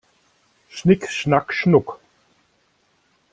Schnick schnack schnuck!